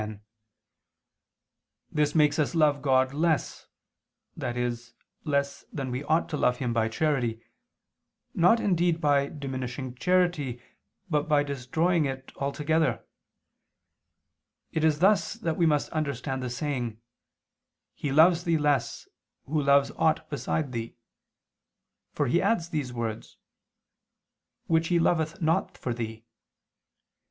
This makes us love God less (i.e. less than we ought to love Him by charity), not indeed by diminishing charity but by destroying it altogether. It is thus that we must understand the saying: "He loves Thee less, who loves aught beside Thee," for he adds these words, "which he loveth not for Thee."